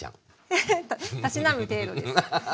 エヘッたしなむ程度です。